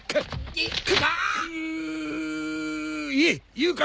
言うか？